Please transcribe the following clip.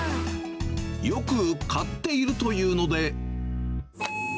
よく買っているというので。